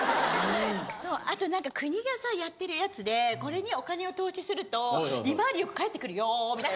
そうあと何か国がさやってるやつでこれにお金を投資すると利回りよく返ってくるよみたいな。